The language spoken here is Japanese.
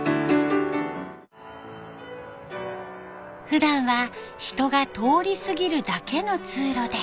ふだんは人が通り過ぎるだけの通路で。